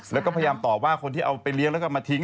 แล้วก็พยายามตอบว่าคนที่เอาไปเลี้ยงแล้วก็มาทิ้ง